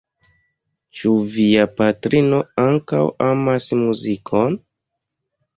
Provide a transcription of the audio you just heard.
Ĉu via patrino ankaŭ amas muzikon?